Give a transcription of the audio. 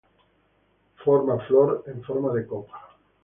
Forma flor en forma de copa.